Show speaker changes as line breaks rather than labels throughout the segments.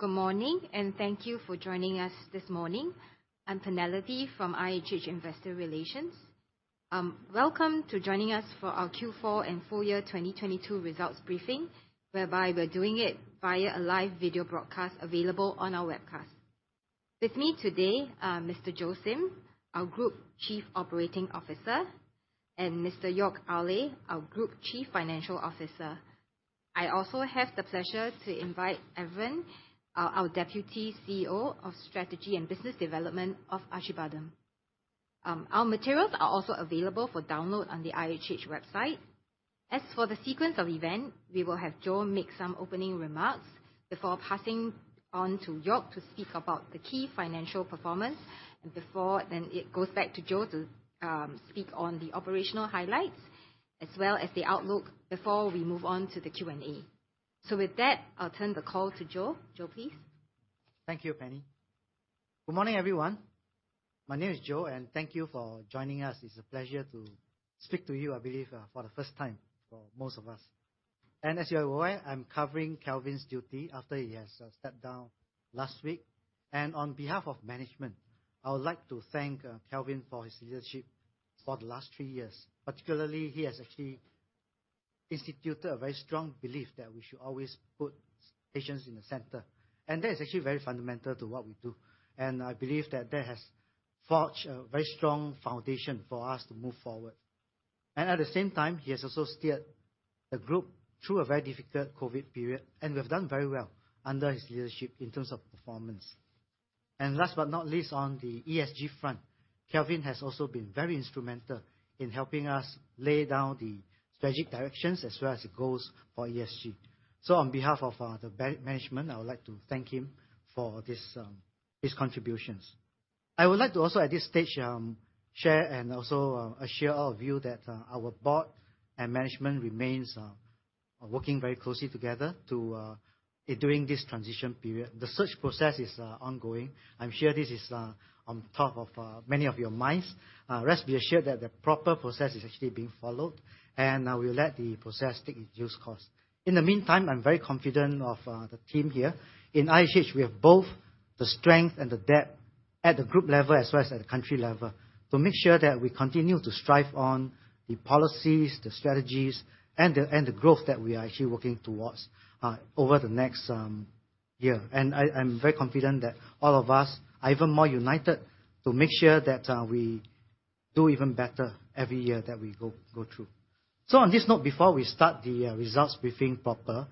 Good morning, thank you for joining us this morning. I'm Penelope from IHH Investor Relations. Welcome to joining us for our Q4 and full year 2022 results briefing, whereby we're doing it via a live video broadcast available on our webcast. With me today, Mr. Joe Sim, our Group Chief Operating Officer, and Mr. Joerg Ayrle, our Group Chief Financial Officer. I also have the pleasure to invite Evren, our Deputy CEO of Strategy and Business Development of Acibadem. Our materials are also available for download on the IHH website. As for the sequence of event, we will have Joe make some opening remarks before passing on to Joerg to speak about the key financial performance. Before then, it goes back to Joe to speak on the operational highlights as well as the outlook before we move on to the Q&A. With that, I'll turn the call to Joe. Joe, please.
Thank you, Penny. Good morning, everyone. My name is Joe, and thank you for joining us. It's a pleasure to speak to you, I believe, for the first time for most of us. As you're aware, I'm covering Kelvin's duty after he has stepped down last week. On behalf of management, I would like to thank Kelvin for his leadership for the last three years. Particularly, he has actually instituted a very strong belief that we should always put patients in the center, and that is actually very fundamental to what we do. I believe that that has forged a very strong foundation for us to move forward. At the same time, he has also steered the group through a very difficult COVID period, and we have done very well under his leadership in terms of performance. Last but not least, on the ESG front, Kelvin has also been very instrumental in helping us lay down the strategic directions as well as the goals for ESG. On behalf of the management, I would like to thank him for this, his contributions. I would like to also at this stage share and also assure all of you that our board and management remains working very closely together to during this transition period. The search process is ongoing. I'm sure this is on top of many of your minds. Rest be assured that the proper process is actually being followed, and I will let the process take its due course. In the meantime, I'm very confident of the team here. In IHH, we have both the strength and the depth at the group level as well as at the country level to make sure that we continue to strive on the policies, the strategies, and the growth that we are actually working towards over the next year. I'm very confident that all of us are even more united to make sure that we do even better every year that we go through. On this note, before we start the results briefing proper,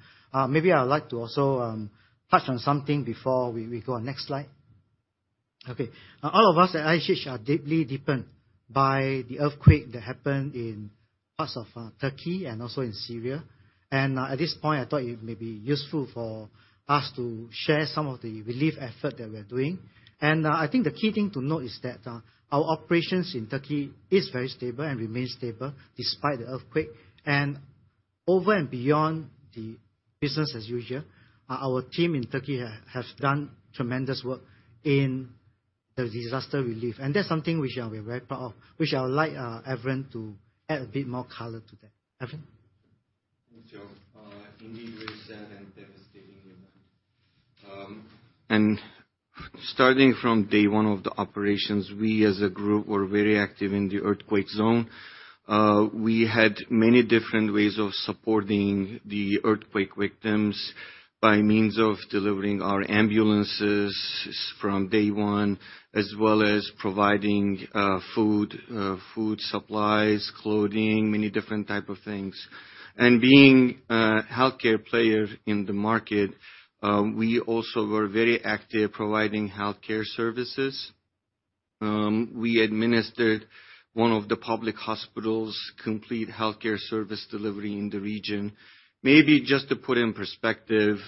maybe I would like to also touch on something before we go on. Next slide. All of us at IHH are deeply deepened by the earthquake that happened in parts of Turkey and also in Syria. At this point, I thought it may be useful for us to share some of the relief effort that we're doing. I think the key thing to note is that our operations in Turkey is very stable and remains stable despite the earthquake. Over and beyond the business as usual, our team in Turkey has done tremendous work in the disaster relief. That's something which I we're very proud of, which I would like Evren to add a bit more color to that. Evren?
Thank you, Joe. Indeed, very sad and devastating event. Starting from day one of the operations, we as a group were very active in the earthquake zone. We had many different ways of supporting the earthquake victims by means of delivering our ambulances from day one, as well as providing food supplies, clothing, many different type of things. Being a healthcare player in the market, we also were very active providing healthcare services. We administered one of the public hospitals complete healthcare service delivery in the region. Maybe just to put in perspective,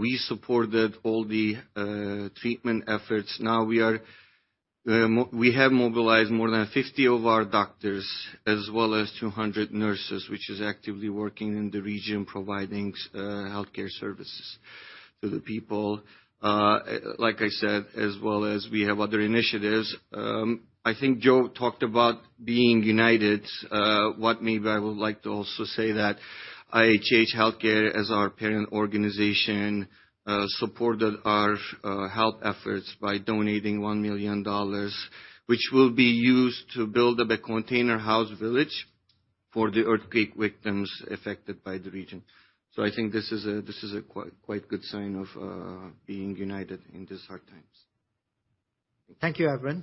we supported all the treatment efforts. Now we have mobilized more than 50 of our doctors as well as 200 nurses, which is actively working in the region providing healthcare services to the people. Like I said, as well as we have other initiatives. I think Joe talked about being united. I would like to also say that IHH Healthcare as our parent organization supported our health efforts by donating $1 million, which will be used to build up a container house village for the earthquake victims affected by the region. I think this is a quite good sign of being united in these hard times.
Thank you, Evren.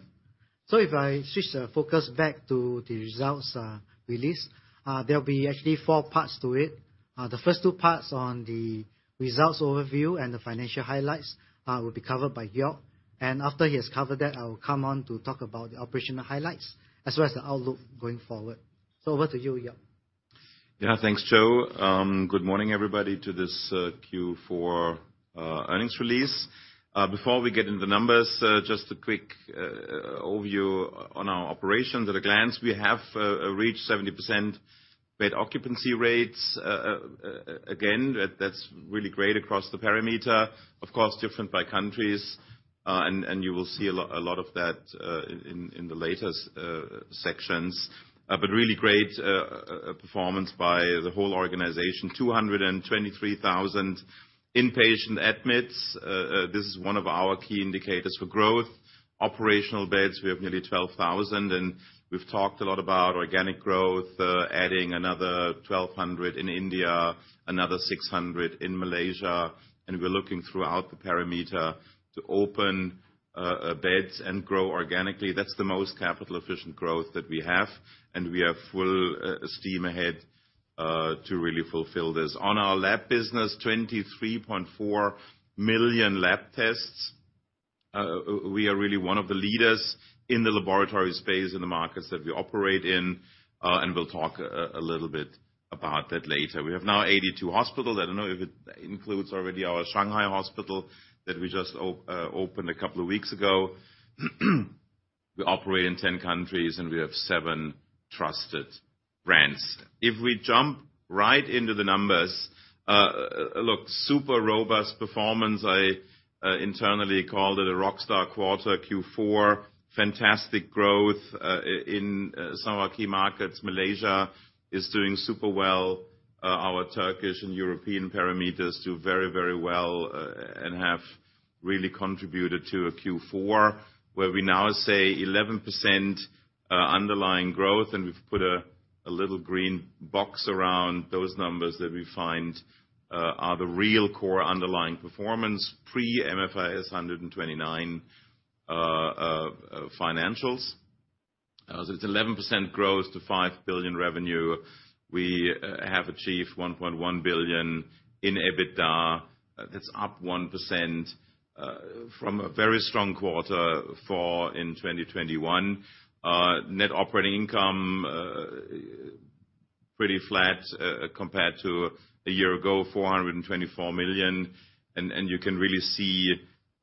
If I switch the focus back to the results release, there'll be actually four parts to it. The first two parts on the results overview and the financial highlights will be covered by Joerg. After he has covered that, I will come on to talk about the operational highlights as well as the outlook going forward. Over to you, Joerg.
Yeah. Thanks, Joe. Good morning, everybody, to this Q4 earnings release. Before we get into the numbers, just a quick overview on our operations. At a glance, we have reached 70% bed occupancy rates. Again, that's really great across the parameter. Of course, different by countries, and you will see a lot of that in the later sections. Really great performance by the whole organization. 223,000 inpatient admits. This is one of our key indicators for growth. Operational beds, we have nearly 12,000. We've talked a lot about organic growth, adding another 1,200 in India, another 600 in Malaysia, and we're looking throughout the parameter to open beds and grow organically. That's the most capital-efficient growth that we have, and we are full steam ahead to really fulfill this. On our lab business, 23.4 million lab tests. We are really one of the leaders in the laboratory space in the markets that we operate in, and we'll talk a little bit about that later. We have now 82 hospitals. I don't know if it includes already our Shanghai hospital that we just opened a couple of weeks ago. We operate in 10 countries, and we have seven trusted brands. If we jump right into the numbers, look, super robust performance. I internally called it a rockstar quarter Q4. Fantastic growth in some of our key markets. Malaysia is doing super well. Our Turkish and European parameters do very, very well and have really contributed to a Q4, where we now say 11% underlying growth, and we've put a little green box around those numbers that we find are the real core underlying performance pre-MFRS 129 financials. It's 11% growth to 5 billion revenue. We have achieved 1.1 billion in EBITDA. That's up 1% from a very strong quarter for in 2021. Net operating income pretty flat compared to a year ago, 424 million. You can really see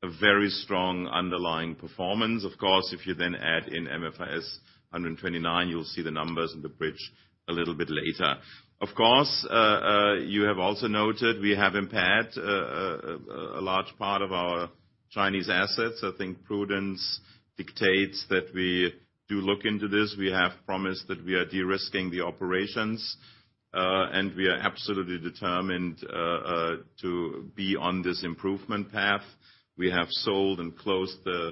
a very strong underlying performance. Of course, if you add in MFRS 129, you'll see the numbers in the bridge a little bit later. Of course, you have also noted we have impaired a large part of our Chinese assets. I think prudence dictates that we do look into this. We have promised that we are de-risking the operations, and we are absolutely determined to be on this improvement path. We have sold and closed the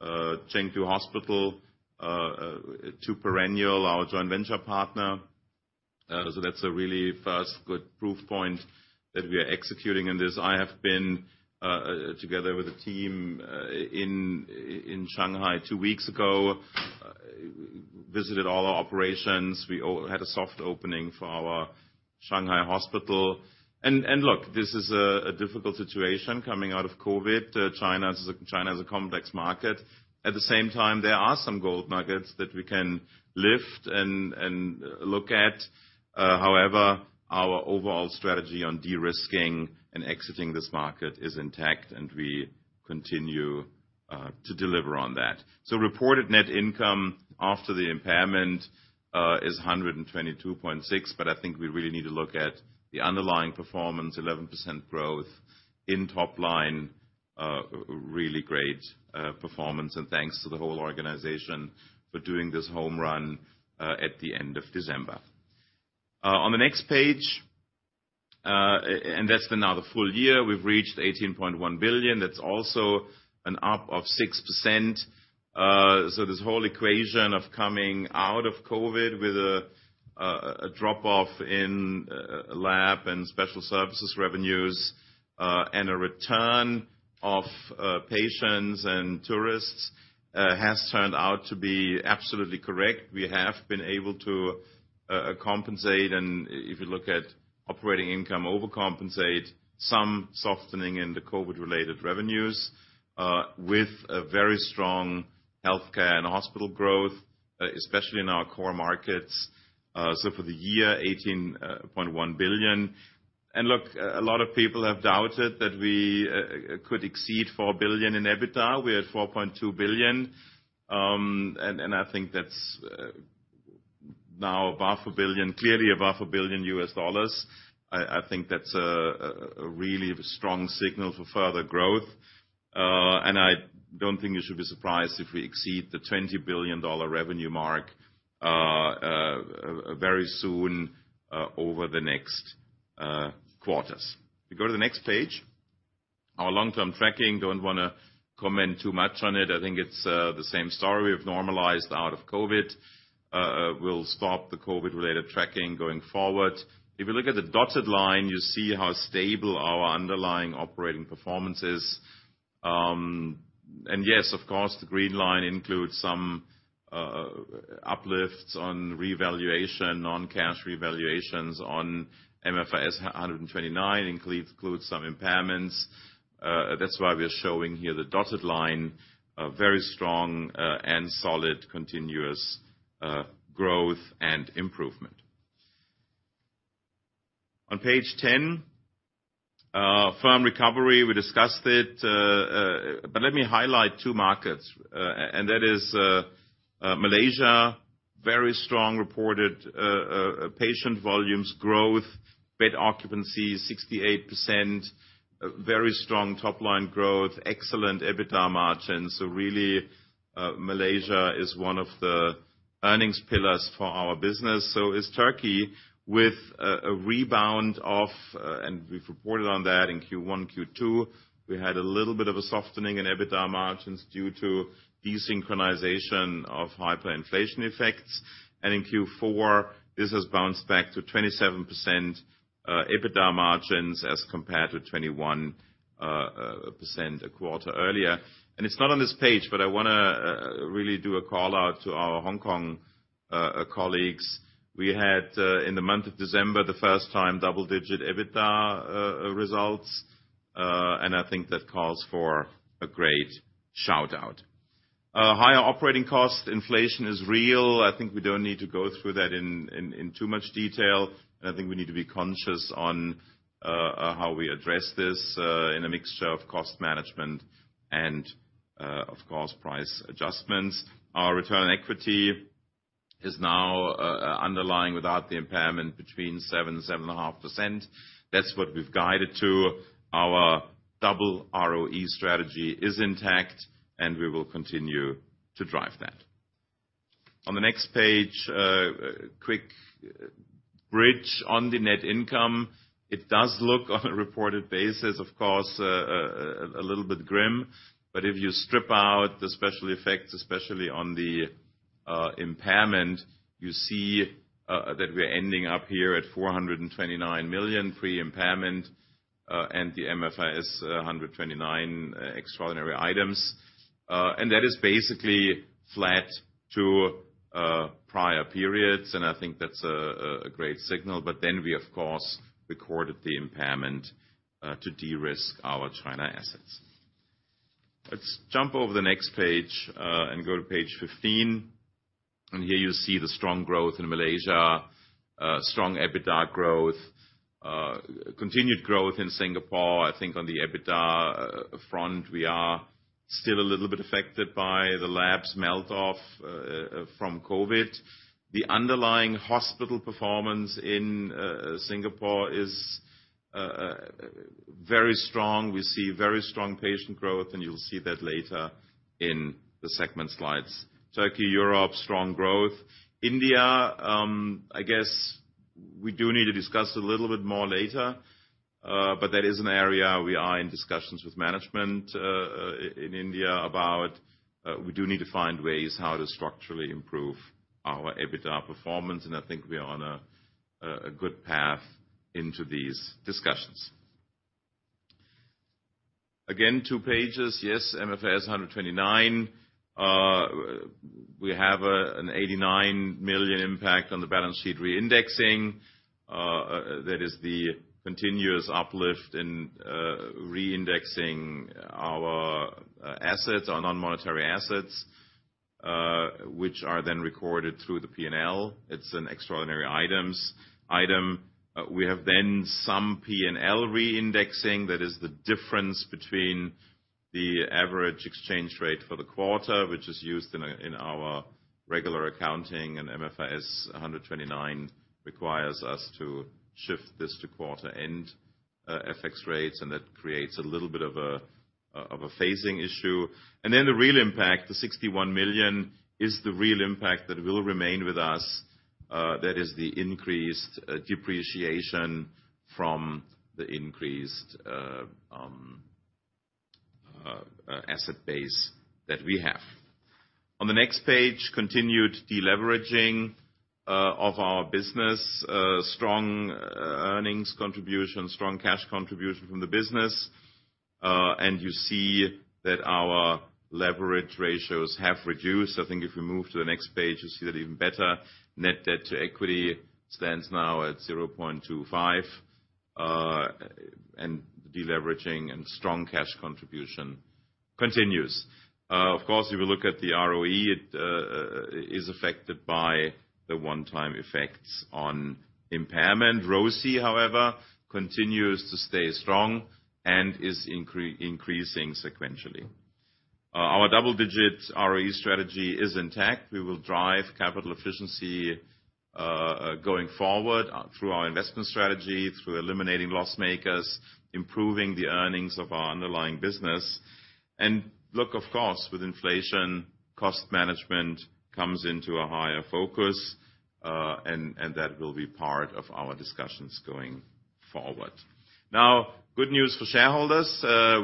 Zhengzhou Hospital to Perennial, our joint venture partner. That's a really first good proof point that we are executing in this. I have been together with a team in Shanghai two weeks ago, visited all our operations. We all had a soft opening for our Shanghai hospital. Look, this is a difficult situation coming out of COVID. China is a complex market. At the same time, there are some gold nuggets that we can lift and look at. However, our overall strategy on de-risking and exiting this market is intact, and we continue to deliver on that. Reported net income after the impairment is 122.6 million, but I think we really need to look at the underlying performance, 11% growth in top line. Really great performance. Thanks to the whole organization for doing this home run at the end of December. On the next page, and that's now the full year. We've reached 18.1 billion. That's also an up of 6%. This whole equation of coming out of COVID with a drop-off in lab and special services revenues, and a return of patients and tourists, has turned out to be absolutely correct. We have been able to compensate, and if you look at operating income, overcompensate, some softening in the COVID-related revenues, with a very strong healthcare and hospital growth, especially in our core markets. For the year, 18.1 billion. Look, a lot of people have doubted that we could exceed 4 billion in EBITDA. We're at 4.2 billion. I think that's now above $1 billion, clearly above $1 billion U.S. dollars. I think that's a really strong signal for further growth. I don't think you should be surprised if we exceed the $20 billion revenue mark very soon over the next quarters. If you go to the next page, our long-term tracking. Don't wanna comment too much on it. I think it's the same story. We've normalized out of COVID. We'll stop the COVID-related tracking going forward. If you look at the dotted line, you see how stable our underlying operating performance is. Yes, of course, the green line includes some uplifts on revaluation, non-cash revaluations on MFRS 129, includes some impairments. That's why we are showing here the dotted line, a very strong and solid continuous growth and improvement. On page 10, firm recovery. We discussed it, let me highlight two markets. That is Malaysia, very strong reported patient volumes, growth, bed occupancy 68%. Very strong top-line growth, excellent EBITDA margins. Really, Malaysia is one of the-Earnings pillars for our business. Is Turkey with a rebound of, we've reported on that in Q1, Q2. We had a little bit of a softening in EBITDA margins due to desynchronization of hyperinflation effects. In Q4, this has bounced back to 27% EBITDA margins as compared to 21% a quarter earlier. It's not on this page, but I wanna really do a call-out to our Hong Kong colleagues. We had in the month of December, the first time double-digit EBITDA results. I think that calls for a great shout-out. Higher operating costs. Inflation is real. I think we don't need to go through that in too much detail. I think we need to be conscious on how we address this in a mixture of cost management and, of course, price adjustments. Our return on equity is now underlying without the impairment between 7.5%. That's what we've guided to. Our double ROE strategy is intact, we will continue to drive that. On the next page, quick bridge on the net income. It does look on a reported basis, of course, a little bit grim. If you strip out the special effects, especially on the impairment, you see that we're ending up here at 429 million pre-impairment and the MFRS 129 extraordinary items. That is basically flat to prior periods, and I think that's a great signal. We, of course, recorded the impairment to de-risk our China assets. Let's jump over the next page and go to page 15. Here you see the strong growth in Malaysia. Strong EBITDA growth. Continued growth in Singapore. I think on the EBITDA front we are still a little bit affected by the labs melt off from COVID. The underlying hospital performance in Singapore is very strong. We see very strong patient growth, and you'll see that later in the segment slides. Turkey, Europe, strong growth. India, I guess we do need to discuss a little bit more later, but that is an area we are in discussions with management in India about. We do need to find ways how to structurally improve our EBITDA performance. I think we are on a good path into these discussions. Again, two pages. Yes, MFRS 129. We have an 89 million impact on the balance sheet reindexing. That is the continuous uplift in reindexing our assets, our non-monetary assets, which are then recorded through the P&L. It's an extraordinary items item. We have then some P&L reindexing. That is the difference between the average exchange rate for the quarter, which is used in our regular accounting. MFRS 129 requires us to shift this to quarter end FX rates, and that creates a little bit of a phasing issue. Then the real impact, the 61 million, is the real impact that will remain with us. That is the increased depreciation from the increased asset base that we have. On the next page, continued deleveraging of our business. Strong earnings contribution, strong cash contribution from the business. You see that our leverage ratios have reduced. I think if we move to the next page, you see that even better. Net debt to equity stands now at 0.25. Deleveraging and strong cash contribution continues. Of course, if you look at the ROE, it is affected by the one-time effects on impairment. ROCE, however, continues to stay strong and is increasing sequentially. Our double-digit ROE strategy is intact. We will drive capital efficiency going forward through our investment strategy, through eliminating loss makers, improving the earnings of our underlying business. Look, of course, with inflation, cost management comes into a higher focus, and that will be part of our discussions going forward. Good news for shareholders.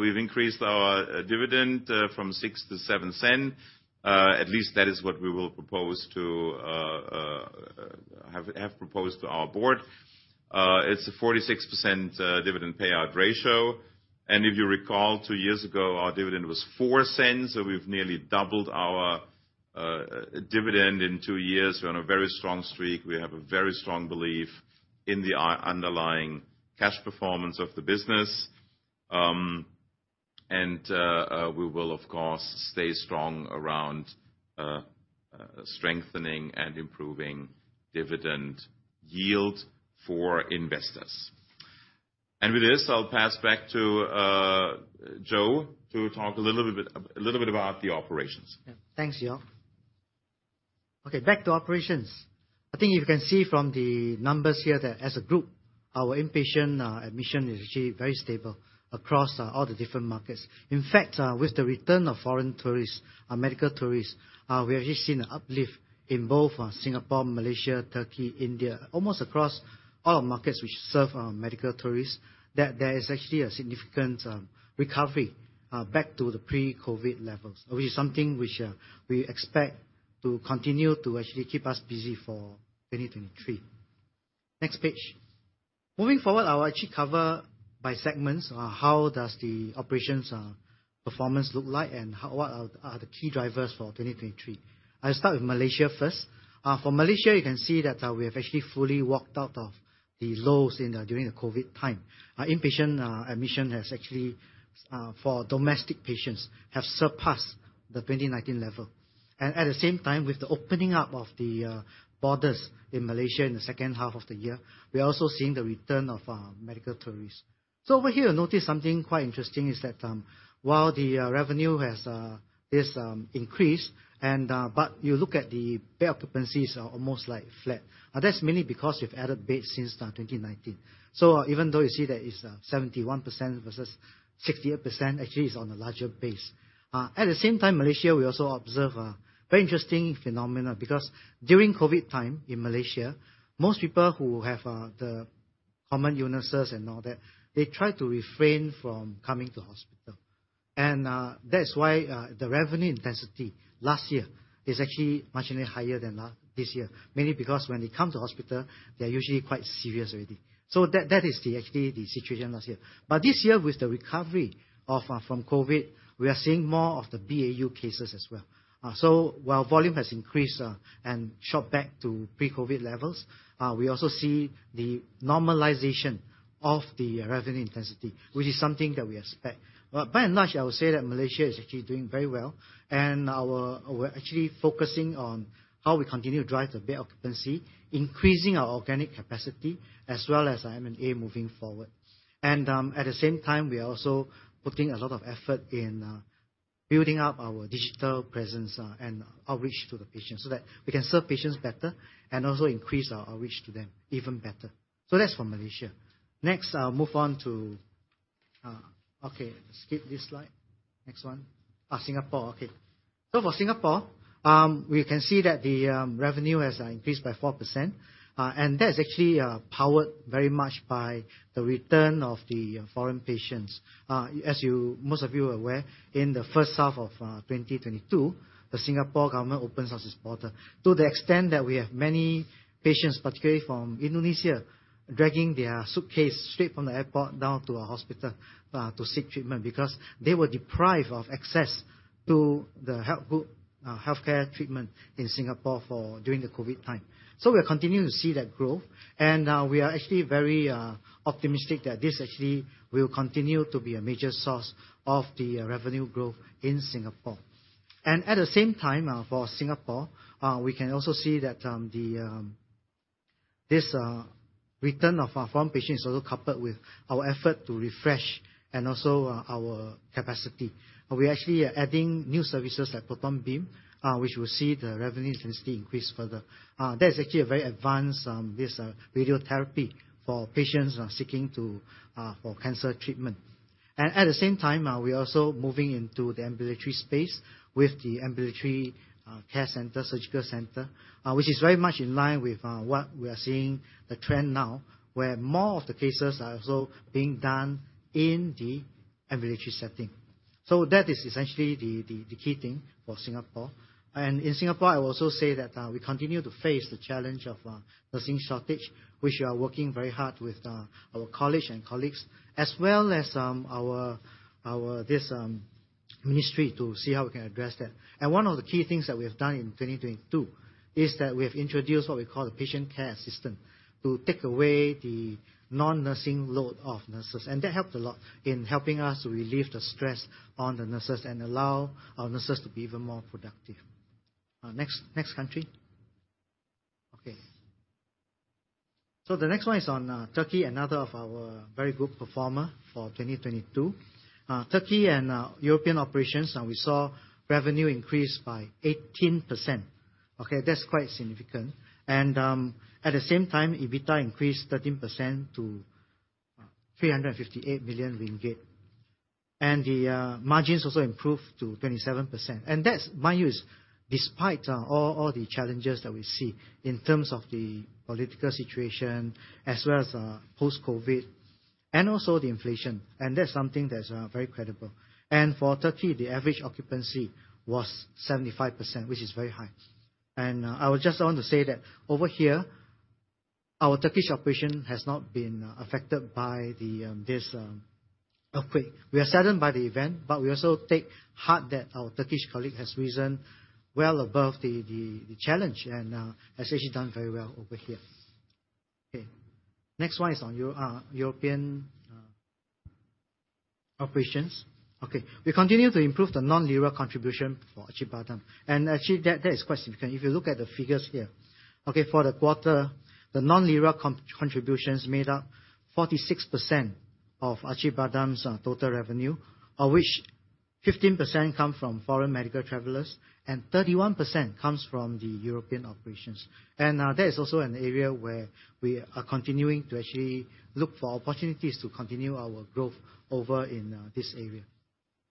We've increased our dividend from 0.06 to 0.07. At least that is what we will propose to have proposed to our board. It's a 46% dividend payout ratio. If you recall, two years ago, our dividend was 0.04. We've nearly doubled our dividend in two years. We're on a very strong streak. We have a very strong belief in the underlying cash performance of the business. We will, of course, stay strong around strengthening and improving dividend yield for investors. With this, I'll pass back to Joe to talk a little bit about the operations.
Yeah. Thanks, Joerg. Okay, back to operations. I think you can see from the numbers here that as a group. Our inpatient admission is actually very stable across all the different markets. In fact, with the return of foreign tourists, medical tourists, we actually seen a uplift in both Singapore, Malaysia, Turkey, India. Almost across all markets which serve medical tourists, that there is actually a significant recovery back to the pre-COVID levels. Which is something which we expect to continue to actually keep us busy for 2023. Next page. Moving forward, I will actually cover by segments, how does the operations performance look like and what are the key drivers for 2023. I'll start with Malaysia first. For Malaysia, you can see that we have actually fully walked out of the lows during the COVID time. Our inpatient admission has actually for domestic patients, have surpassed the 2019 level. At the same time, with the opening up of the borders in Malaysia in the second half of the year, we're also seeing the return of medical tourists. Over here, notice something quite interesting is that while the revenue has this increase and but you look at the bed occupancies are almost like flat. That's mainly because we've added beds since 2019. Even though you see that it's 71% versus 68%, actually it's on a larger base. At the same time, Malaysia we also observe a very interesting phenomena because during COVID time in Malaysia, most people who have the common illnesses and all that, they try to refrain from coming to hospital. That's why the revenue intensity last year is actually much higher than this year. Mainly because when they come to hospital, they're usually quite serious already. That, that is actually the situation last year. This year with the recovery of from COVID, we are seeing more of the BAU cases as well. While volume has increased and shot back to pre-COVID levels, we also see the normalization of the revenue intensity, which is something that we expect. By and large, I would say that Malaysia is actually doing very well, and our. we're actually focusing on how we continue to drive the bed occupancy, increasing our organic capacity as well as M&A moving forward. At the same time, we are also putting a lot of effort in building up our digital presence and outreach to the patients so that we can serve patients better and also increase our outreach to them even better. That's for Malaysia. Next, I'll move on to. Singapore. For Singapore, we can see that the revenue has increased by 4%, and that is actually powered very much by the return of the foreign patients. As most of you are aware, in the first half of 2022, the Singapore government opens us its border. To the extent that we have many patients, particularly from Indonesia, dragging their suitcase straight from the airport down to a hospital, to seek treatment because they were deprived of access to the health good, healthcare treatment in Singapore for during the COVID time. We are continuing to see that growth, we are actually very optimistic that this actually will continue to be a major source of the revenue growth in Singapore. At the same time, for Singapore, we can also see that the this return of foreign patients is also coupled with our effort to refresh and also our capacity. We're actually adding new services like proton beam, which will see the revenue intensity increase further. That's actually a very advanced, this radiotherapy for patients seeking to for cancer treatment. At the same time, we are also moving into the ambulatory space with the ambulatory care center, surgical center, which is very much in line with what we are seeing the trend now, where more of the cases are also being done in the ambulatory setting. That is essentially the key thing for Singapore. In Singapore, I will also say that we continue to face the challenge of nursing shortage, which we are working very hard with our college and colleagues, as well as our, this, Ministry to see how we can address that. One of the key things that we have done in 2022 is that we have introduced what we call the Patient Care Assistant to take away the non-nursing load of nurses. That helped a lot in helping us relieve the stress on the nurses and allow our nurses to be even more productive. Next country. The next one is on Turkey, another of our very good performer for 2022. Turkey and European operations, we saw revenue increase by 18%. That's quite significant. At the same time, EBITDA increased 13% to 358 million ringgit. The margins also improved to 27%. That's mind you, is despite all the challenges that we see in terms of the political situation as well as post-COVID, and also the inflation. That's something that's very credible. For Turkey, the average occupancy was 75%, which is very high. I would just want to say that over here, our Turkish operation has not been affected by this earthquake. We are saddened by the event, but we also take heart that our Turkish colleague has risen well above the challenge and has actually done very well over here. Next one is on European operations. We continue to improve the non-lira contribution for Acibadem. Actually that is quite significant if you look at the figures here. For the quarter, the non-lira contributions made up 46% of Acibadem's total revenue, of which 15% come from foreign medical travelers, and 31% comes from the European operations. That is also an area where we are continuing to actually look for opportunities to continue our growth over in this area.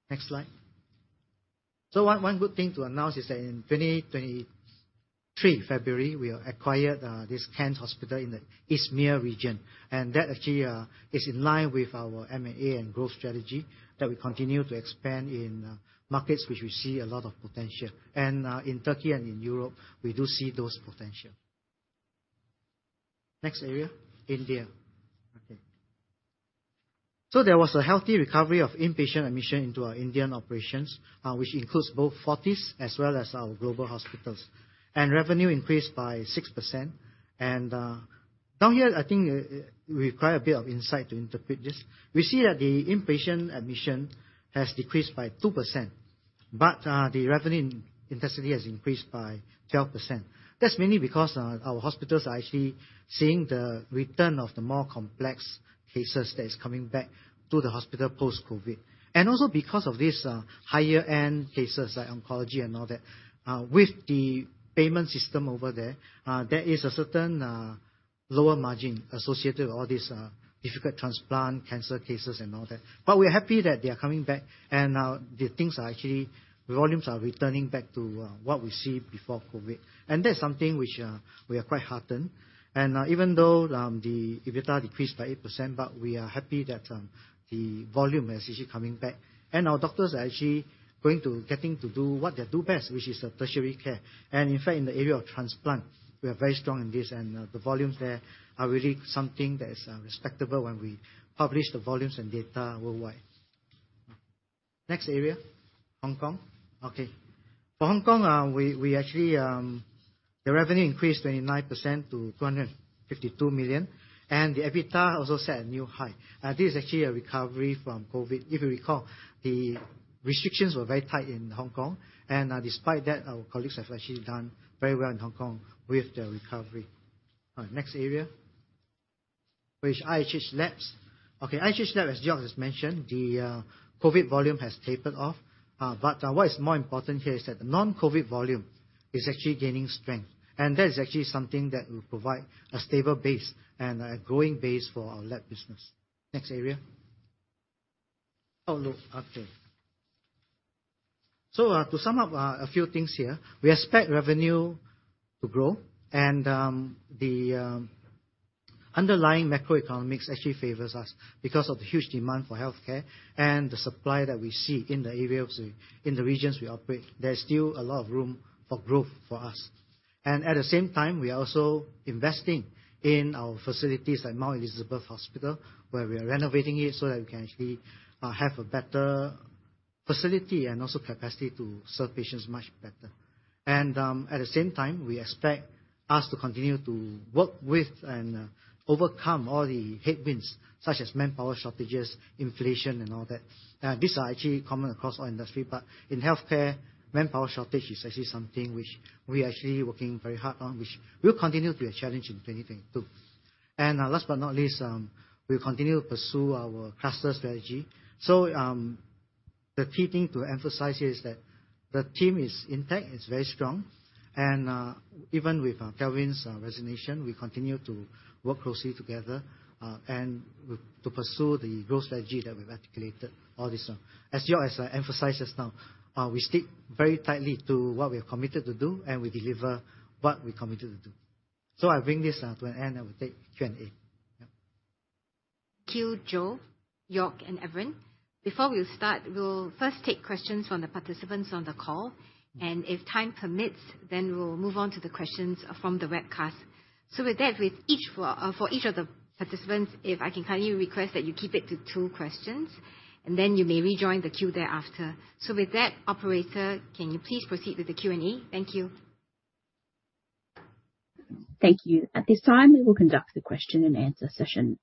Next slide. One good thing to announce is that in 2023 February, we acquired this Kent Hospital in the Izmir region. That actually is in line with our M&A and growth strategy, that we continue to expand in markets which we see a lot of potential. In Turkey and in Europe, we do see those potential. Next area, India. Okay. There was a healthy recovery of inpatient admission into our Indian operations, which includes both Fortis as well as our Global Hospitals. Revenue increased by 6%. Down here, I think we require a bit of insight to interpret this. We see that the inpatient admission has decreased by 2%, but the revenue intensity has increased by 12%. That's mainly because our hospitals are actually seeing the return of the more complex cases that is coming back to the hospital post-COVID. Also because of this, higher-end cases like oncology and all that, with the payment system over there is a certain lower margin associated with all these difficult transplant cancer cases and all that. We're happy that they are coming back and volumes are returning back to what we see before COVID. That's something which we are quite heartened. Even though the EBITDA decreased by 8%, but we are happy that the volume is actually coming back. Our doctors are actually going to getting to do what they do best, which is tertiary care. In fact, in the area of transplant, we are very strong in this. The volumes there are really something that is respectable when we publish the volumes and data worldwide. Next area, Hong Kong. Okay. For Hong Kong, we actually, the revenue increased 29% to 252 million, and the EBITDA also set a new high. This is actually a recovery from COVID. If you recall, the restrictions were very tight in Hong Kong. Despite that, our colleagues have actually done very well in Hong Kong with the recovery. All right, next area. Which IHH Labs. Okay, IHH Lab, as Joerg has mentioned, the COVID volume has tapered off. What is more important here is that the non-COVID volume is actually gaining strength, and that is actually something that will provide a stable base and a growing base for our lab business. Next area. Outlook. Okay. To sum up a few things here, we expect revenue to grow, and the underlying macroeconomics actually favors us because of the huge demand for healthcare and the supply that we see in the areas, in the regions we operate. There's still a lot of room for growth for us. At the same time, we are also investing in our facilities like Mount Elizabeth Hospital, where we are renovating it so that we can actually have a better facility and also capacity to serve patients much better. At the same time, we expect us to continue to work with and overcome all the headwinds, such as manpower shortages, inflation and all that. These are actually common across all industry, but in healthcare, manpower shortage is actually something which we are actually working very hard on, which will continue to be a challenge in 2022. Last but not least, we'll continue to pursue our cluster strategy. The key thing to emphasize here is that the team is intact, it's very strong. Even with Kelvin's resignation, we continue to work closely together to pursue the growth strategy that we've articulated all this time. As Joerg has emphasized just now, we stick very tightly to what we have committed to do, and we deliver what we're committed to do. I bring this to an end, and we'll take Q&A. Yeah.
Thank you, Joe, Joerg, and Evren. Before we start, we'll first take questions from the participants on the call, and if time permits, then we'll move on to the questions from the webcast. With that, with each for each of the participants, if I can kindly request that you keep it to two questions, and then you may rejoin the queue thereafter. With that, operator, can you please proceed with the Q&A? Thank you.
Thank you. At this time, we will conduct the Q&A session.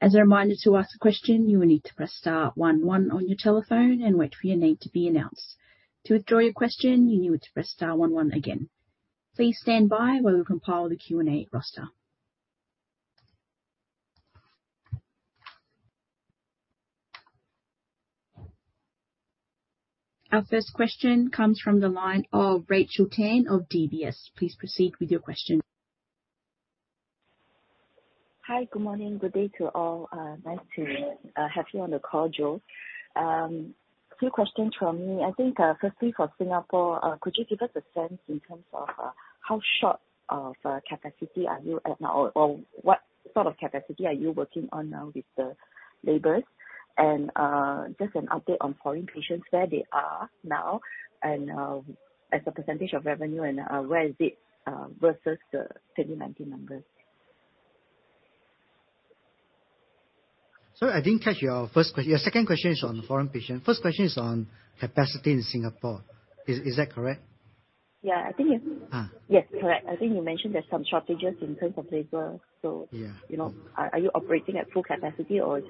As a reminder, to ask a question, you will need to press star one one on your telephone and wait for your name to be announced. To withdraw your question, you need to press star one one again. Please stand by while we compile the Q&A roster. Our first question comes from the line of Rachel Tan of DBS. Please proceed with your question.
Hi. Good morning. Good day to all. Nice to have you on the call, Joe. A few questions from me. I think, firstly for Singapore, could you give us a sense in terms of how short of capacity are you at now, or what sort of capacity are you working on now with the labors? Just an update on foreign patients, where they are now and as a percentage of revenue and where is it versus the 2019 numbers?
Sorry, I didn't catch your first question. Your second question is on foreign patients. First question is on capacity in Singapore. Is that correct?
Yeah, I think you
Uh.
Yes. Correct. I think you mentioned there's some shortages in terms of labor.
Yeah.
You know, are you operating at full capacity or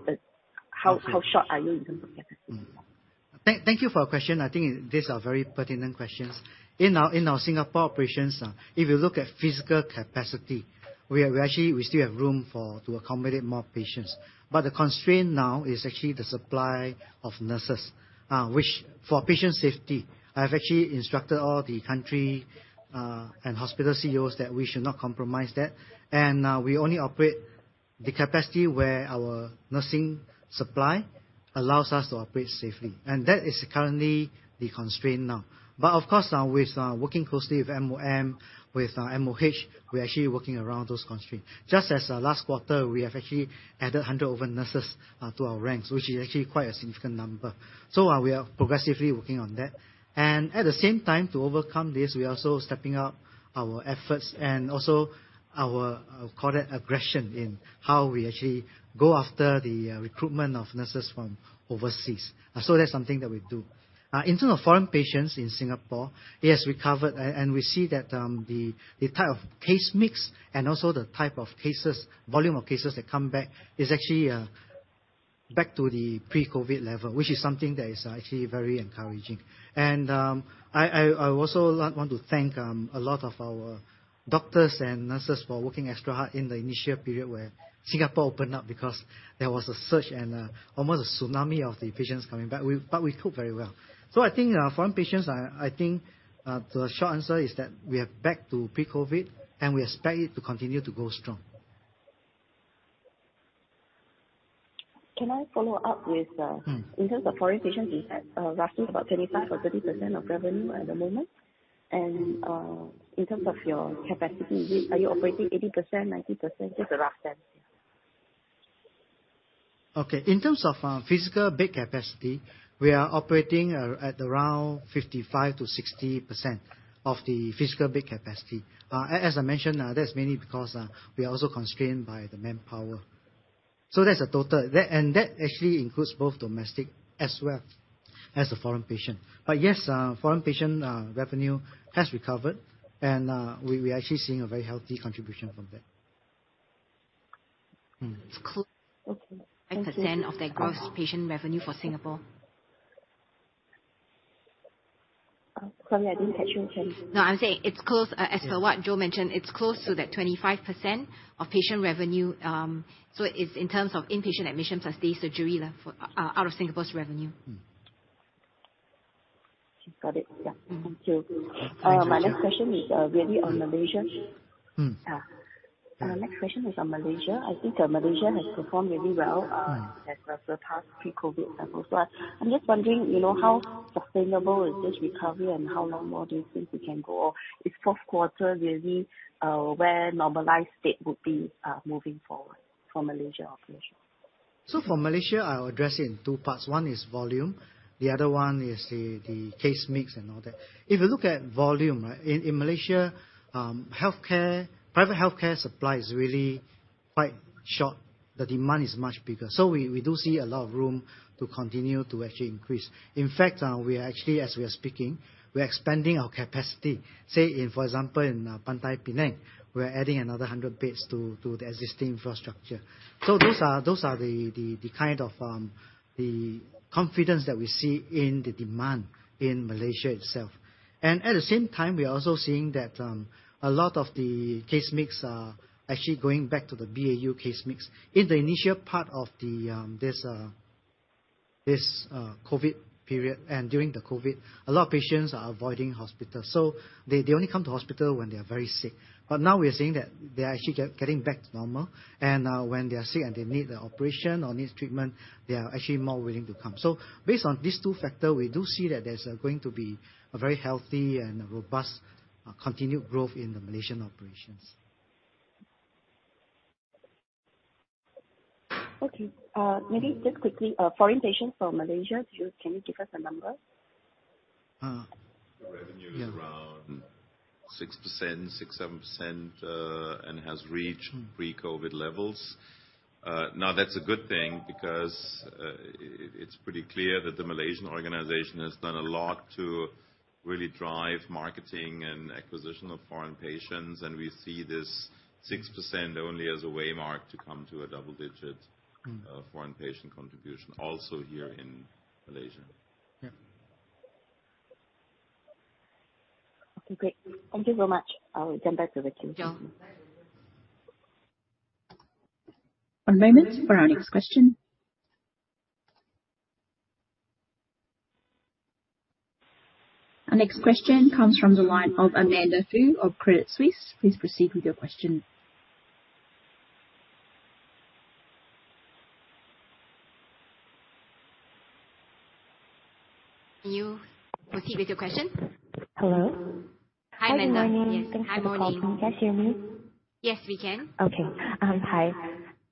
how short are you in terms of capacity?
Thank you for your question. I think these are very pertinent questions. In our Singapore operations, if you look at physical capacity, we actually still have room to accommodate more patients. The constraint now is actually the supply of nurses, which for patient safety, I have actually instructed all the country and hospital CEOs that we should not compromise that. We only operate the capacity where our nursing supply allows us to operate safely. That is currently the constraint now. Of course, we're starting working closely with MOM, with MOH, we're actually working around those constraints. Just as last quarter, we have actually added 100 over nurses to our ranks, which is actually quite a significant number. We are progressively working on that. At the same time, to overcome this, we are also stepping up our efforts and also our, I'll call it aggression, in how we actually go after the recruitment of nurses from overseas. That's something that we do. In terms of foreign patients in Singapore, yes, we covered. We see that the type of case mix and also the type of cases, volume of cases that come back is actually back to the pre-COVID level, which is something that is actually very encouraging. I also like want to thank a lot of our doctors and nurses for working extra hard in the initial period where Singapore opened up because there was a surge and almost a tsunami of the patients coming back. We, but we cope very well. I think, foreign patients are, I think, the short answer is that we are back to pre-COVID, and we expect it to continue to go strong.
Can I follow up with?
Mm-hmm.
In terms of foreign patients, is that roughly about 25% or 30% of revenue at the moment? In terms of your capacity, are you operating 80%, 90%? Just a rough sense. Yeah.
Okay. In terms of physical bed capacity, we are operating at around 55% to 60% of the physical bed capacity. As I mentioned, that's mainly because we are also constrained by the manpower. That's a total. That actually includes both domestic as well as the foreign patient. Yes, foreign patient revenue has recovered and we're actually seeing a very healthy contribution from that. Mm-hmm. It's clo-
Okay.
5% of the gross patient revenue for Singapore.
Sorry, I didn't catch you, Pen.
No, I'm saying it's close, as to what Joe mentioned, it's close to that 25% of patient revenue. It's in terms of inpatient admissions as day surgery out of Singapore's revenue.
Mm-hmm.
Got it. Yeah. Thank you.
Thank you.
My next question is, really on Malaysia.
Mm-hmm.
My next question is on Malaysia. I think Malaysia has performed really well at the past pre-COVID levels. I'm just wondering, you know, how sustainable is this recovery and how long more do you think it can go? Is Q4 really where normalized state would be moving forward for Malaysia operations?
For Malaysia, I'll address it in two parts. One is volume, the other one is the case mix and all that. If you look at volume, right? In Malaysia, healthcare, private healthcare supply is really quite short. The demand is much bigger. We do see a lot of room to continue to actually increase. In fact, we are actually, as we are speaking, we are expanding our capacity. Say in, for example, in Pantai, Penang, we're adding another 100 beds to the existing infrastructure. Those are the kind of confidence that we see in the demand in Malaysia itself. At the same time we are also seeing that a lot of the case mix are actually going back to the BAU case mix. In the initial part of the this COVID period and during the COVID, a lot of patients are avoiding hospital. They only come to hospital when they are very sick. Now we are seeing that they are actually getting back to normal. When they are sick and they need the operation or need treatment, they are actually more willing to come. Based on these two factor, we do see that there's going to be a very healthy and robust continued growth in the Malaysian operations.
Okay. Maybe just quickly, foreign patients from Malaysia, Can you give us a number?
Uh.
The revenue is around 6%, 6% to 7%, and has reached pre-COVID levels. Now that's a good thing because, it's pretty clear that the Malaysian organization has done a lot to really drive marketing and acquisition of foreign patients, and we see this 6% only as a way mark to come to a double-digit
Mm-hmm.
foreign patient contribution also here in Malaysia.
Yeah.
Okay. Great. Thank you so much. I'll get back to the queue.
Yeah.
One moment for our next question. Our next question comes from the line of Amanda Fey of Credit Suisse. Please proceed with your question. Can you proceed with your question?
Hello.
Hi, Amanda.
Good morning.
Yes. Hi, morning.
Thanks for the call. Can you guys hear me?
Yes, we can.
Okay. Hi.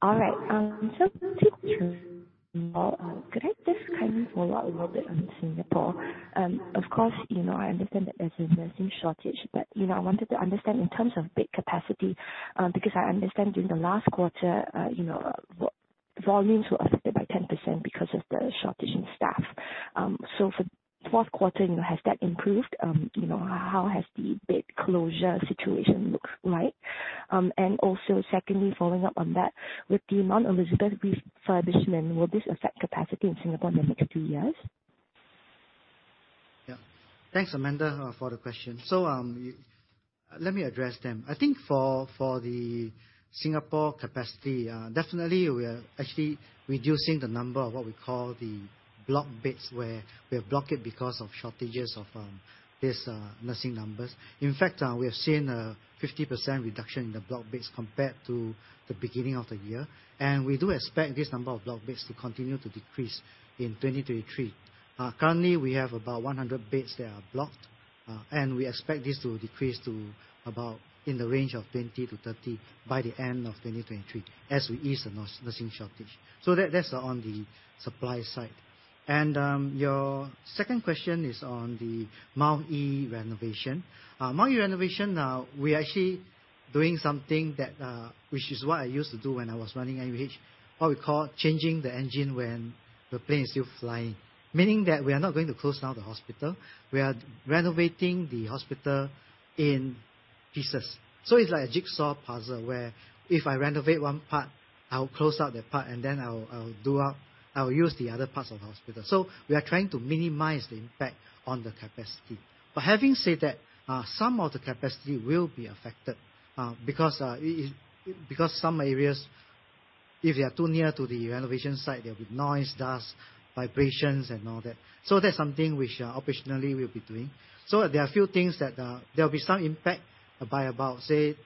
All right. Could I just kind of follow up a little bit on Singapore? Of course, you know, I understand that there's a nursing shortage, but, you know, I wanted to understand in terms of bed capacity, because I understand during the last quarter, you know, volumes were affected by 10% because of the shortage in staff. For Q4, you know, has that improved? You know, how has the bed closure situation looked like? Also secondly, following up on that, with the Mount Elizabeth refurbishment, will this affect capacity in Singapore in the next few years?
Yeah. Thanks, Amanda, for the question. Let me address them. I think for the Singapore capacity, definitely we are actually reducing the number of what we call the blocked beds, where we have blocked it because of shortages of these nursing numbers. In fact, we have seen a 50% reduction in the blocked beds compared to the beginning of the year, and we do expect this number of blocked beds to continue to decrease in 2023. Currently, we have about 100 beds that are blocked, and we expect this to decrease to about in the range of 20 to 30 by the end of 2023 as we ease the nursing shortage. That's on the supply side. Your second question is on the Mount E renovation. Mount Elizabeth renovation, we're actually doing something that, which is what I used to do when I was running IMU, what we call changing the engine when the plane is still flying. Meaning that we are not going to close down the hospital. We are renovating the hospital in pieces. It's like a jigsaw puzzle, where if I renovate one part, I'll close out that part, and then I'll use the other parts of the hospital. We are trying to minimize the impact on the capacity. Having said that, some of the capacity will be affected, because some areas, if they are too near to the renovation site, there'll be noise, dust, vibrations and all that. That's something which, operationally we'll be doing. There are a few things that there'll be some impact by about, say,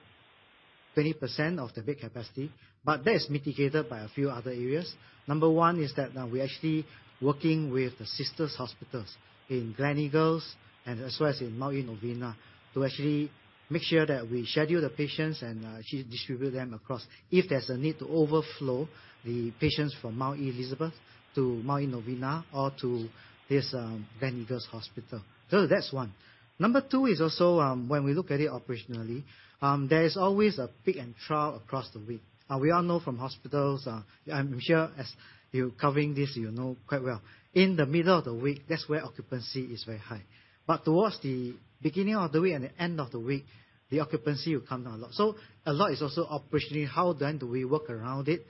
20% of the bed capacity, but that is mitigated by a few other areas. Number 1 is that we're actually working with the sisters hospitals in Gleneagles and as well as in Mount Elizabeth Novena to actually make sure that we schedule the patients and distribute them across. If there's a need to overflow the patients from Mount Elizabeth to Mount Elizabeth Novena or to this Gleneagles Hospital. That's one. Number two is also, when we look at it operationally, there is always a peak and trough across the week. We all know from hospitals, I'm sure as you're covering this, you know quite well, in the middle of the week, that's where occupancy is very high. Towards the beginning of the week and the end of the week, the occupancy will come down a lot. A lot is also operationally, how then do we work around it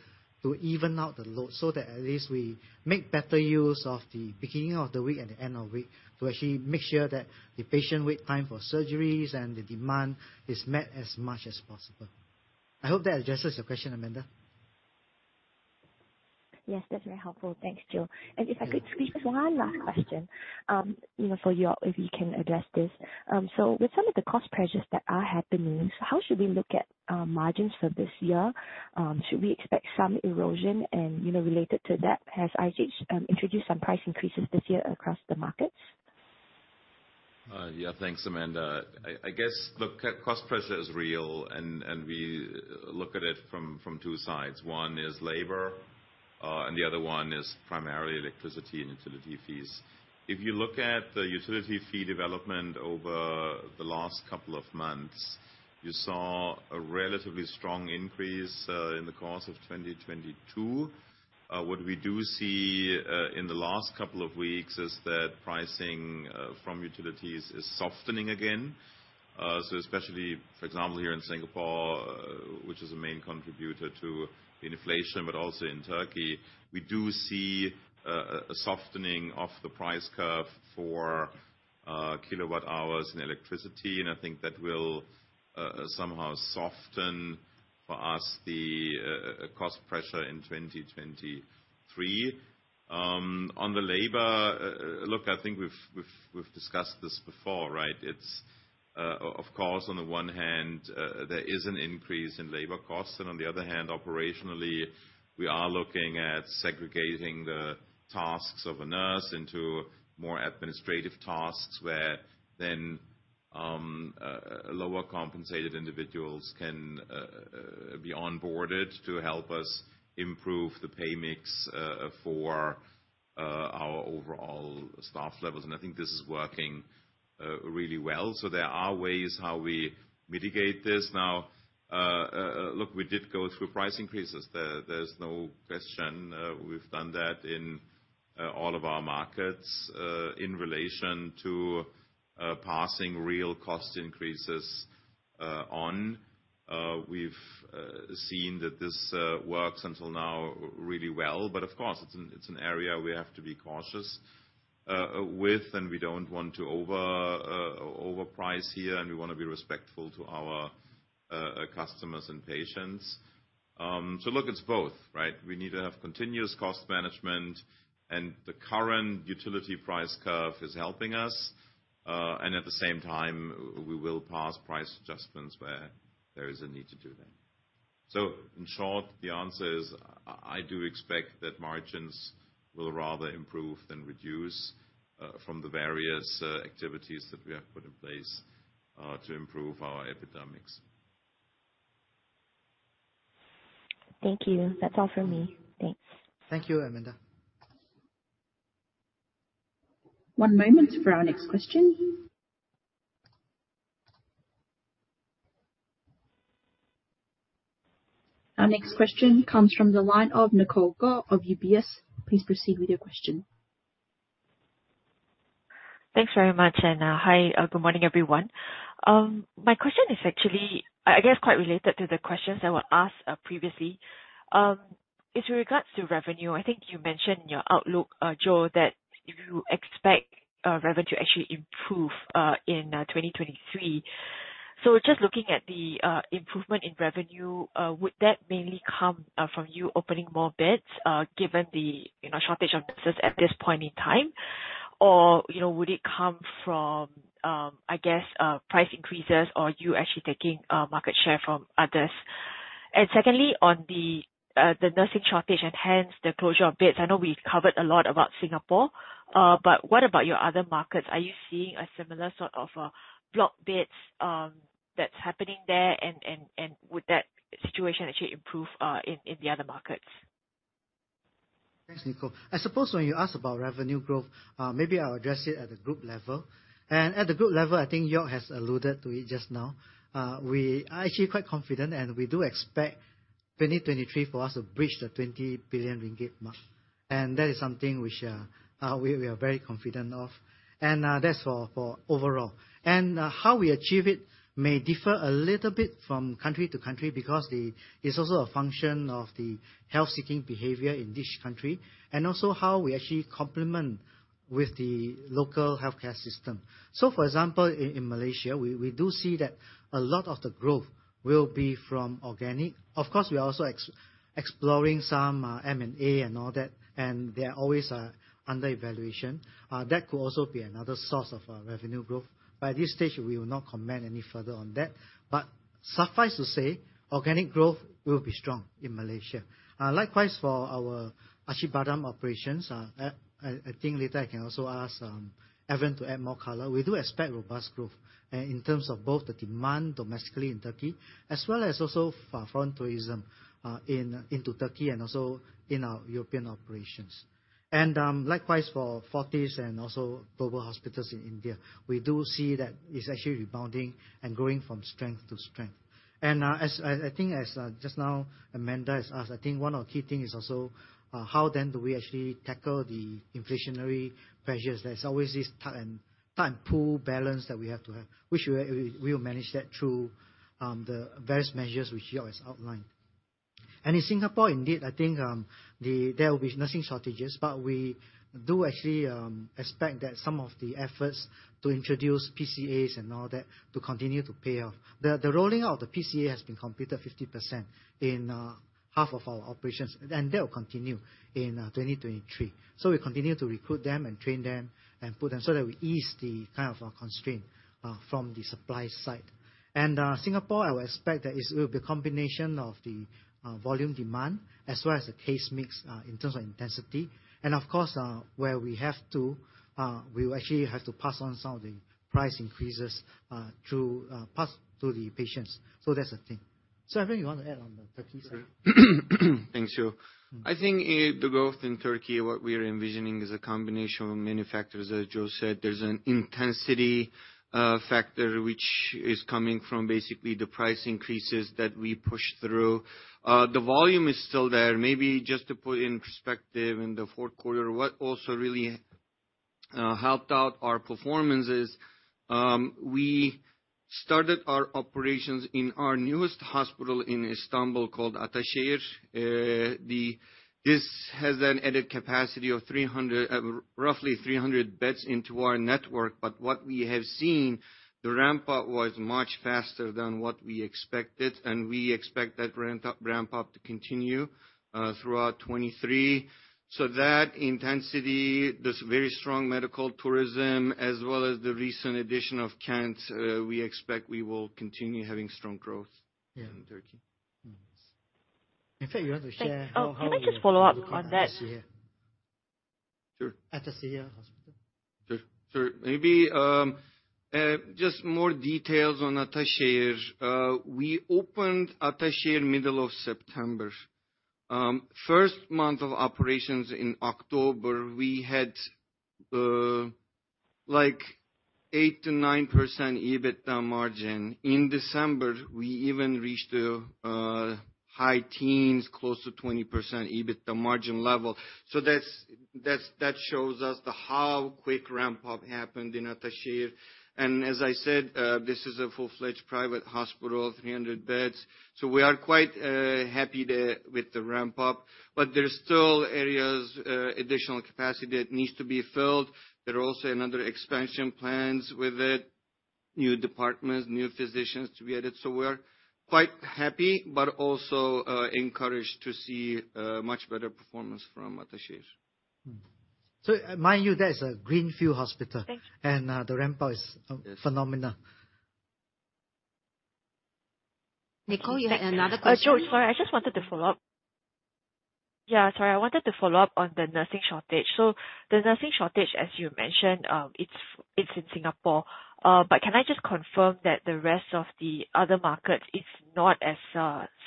to even out the load so that at least we make better use of the beginning of the week and the end of week to actually make sure that the patient wait time for surgeries and the demand is met as much as possible. I hope that addresses your question, Amanda.
Yes, that's very helpful. Thanks, Joe.
Thank you.
If I could squeeze one last question, you know, for Joerg, if you can address this. With some of the cost pressures that are happening, how should we look at margins for this year? Should we expect some erosion? You know, related to that, has IHH introduced some price increases this year across the markets?
Yeah. Thanks, Amanda. I guess, look, cost pressure is real and we look at it from two sides. One is labor, and the other one is primarily electricity and utility fees. If you look at the utility fee development over the last couple of months, you saw a relatively strong increase in the course of 2022. What we do see in the last couple of weeks is that pricing from utilities is softening again. Especially, for example, here in Singapore, which is a main contributor to inflation, but also in Turkey, we do see a softening of the price curve for kilowatt hours in electricity. I think that will somehow soften for us the cost pressure in 2023. On the labor, look, I think we've discussed this before, right? It's, of course, on the one hand, there is an increase in labor costs, and on the other hand, operationally, we are looking at segregating the tasks of a nurse into more administrative tasks where then, lower compensated individuals can be onboarded to help us improve the pay mix for our overall staff levels. I think this is working really well. There are ways how we mitigate this. Now, look, we did go through price increases. There's no question. We've done that in all of our markets in relation to passing real cost increases on. We've seen that this works until now really well. Of course, it's an area we have to be cautious with, and we don't want to overprice here, and we wanna be respectful to our customers and patients. Look, it's both, right? We need to have continuous cost management, and the current utility price curve is helping us and at the same time, we will pass price adjustments where there is a need to do that. In short, the answer is I do expect that margins will rather improve than reduce from the various activities that we have put in place to improve our EBITDA mix.
Thank you. That's all from me. Thanks.
Thank you, Amanda.
One moment for our next question. Our next question comes from the line of Nicole Goh of UBS. Please proceed with your question.
Thanks very much. Hi, good morning, everyone. My question is actually, I guess, quite related to the questions that were asked previously. Is regards to revenue. I think you mentioned in your outlook, Joe, that you expect revenue to actually improve in 2023. Just looking at the improvement in revenue, would that mainly come from you opening more beds, given the, you know, shortage of nurses at this point in time? Or, you know, would it come from, I guess, price increases or you actually taking market share from others? Secondly, on the nursing shortage and hence the closure of beds, I know we covered a lot about Singapore, but what about your other markets? Are you seeing a similar sort of, blocked beds, that's happening there and would that situation actually improve, in the other markets?
Thanks, Nicole. I suppose when you ask about revenue growth, maybe I'll address it at the group level. At the group level, I think York has alluded to it just now. We are actually quite confident, and we do expect 2023 for us to breach the 20 billion ringgit mark. That is something which we are very confident of. That's for overall. How we achieve it may differ a little bit from country to country because it's also a function of the health-seeking behavior in each country, and also how we actually complement with the local healthcare system. For example, in Malaysia, we do see that a lot of the growth will be from organic. Of course, we are also exploring some M&A and all that, and they're always under evaluation. That could also be another source of revenue growth. At this stage, we will not comment any further on that. Suffice to say, organic growth will be strong in Malaysia. Likewise for our Acibadem operations, I think later I can also ask Evren to add more color. We do expect robust growth in terms of both the demand domestically in Turkey, as well as also for foreign tourism into Turkey and also in our European operations. Likewise for Fortis and also Global Hospitals in India. We do see that it's actually rebounding and growing from strength to strength. I think as just now Amanda has asked, I think one of key thing is also how then do we actually tackle the inflationary pressures? There's always this tug and pull balance that we have to have. We'll manage that through the various measures which York has outlined. In Singapore, indeed, I think there will be nursing shortages, but we do actually expect that some of the efforts to introduce PCAs and all that to continue to pay off. The rolling out of the PCA has been completed 50% in half of our operations, that will continue in 2023. We continue to recruit them and train them and put them so that we ease the kind of constraint from the supply side. Singapore, I would expect that will be a combination of the volume demand as well as the case mix in terms of intensity. Of course, where we have to, we will actually have to pass on some of the price increases, through, pass through the patients. That's the thing. Sir, I think you want to add on the Turkey side.
Thanks, Joe.
Mm-hmm.
I think the growth in Turkey, what we're envisioning is a combination of many factors, as Joe said. There's an intensity factor which is coming from basically the price increases that we push through. The volume is still there. Maybe just to put in perspective, in the Q4, what also really helped out our performance is, we started our operations in our newest hospital in Istanbul called Ataşehir. This has an added capacity of 300, roughly 300 beds into our network. But what we have seen, the ramp-up was much faster than what we expected, and we expect that ramp-up to continue throughout 2023. That intensity, this very strong medical tourism, as well as the recent addition of Kent, we expect we will continue having strong growth...
Yeah. In Turkey.
Mm-hmm. In fact, you have to share how.
Thank you. Can I just follow up on that?
Sure.
Ataşehir Hospital.
Sure. Sure. Maybe, just more details on Ataşehir. We opened Ataşehir middle of September. First month of operations in October, we had, like 8% to 9% EBITDA margin. In December, we even reached high teens, close to 20% EBITDA margin level. That's, that's, that shows us the how quick ramp-up happened in Ataşehir. As I said, this is a full-fledged private hospital, 300 beds. We are quite happy to with the ramp-up, but there are still areas, additional capacity that needs to be filled. There are also another expansion plans with it, new departments, new physicians to be added. We're quite happy, but also, encouraged to see a much better performance from Ataşehir.
Mind you, that is a greenfield hospital.
Thank you.
the ramp-up
It is.
phenomenal.
Nicole, you had another question?
Joe, sorry, I just wanted to follow up. Yeah, sorry, I wanted to follow up on the nursing shortage. The nursing shortage, as you mentioned, it's in Singapore. Can I just confirm that the rest of the other markets is not as